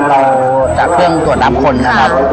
เราจากเครื่องตรวจน้ำคนนะครับ